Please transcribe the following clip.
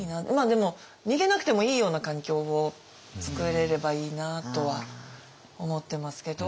でも逃げなくてもいいような環境を作れればいいなとは思ってますけど。